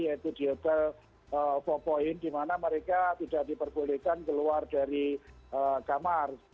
yaitu di hotel empat point di mana mereka tidak diperbolehkan keluar dari kamar